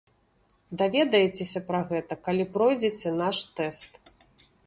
Даведаецеся пра гэта, калі пройдзеце наш тэст.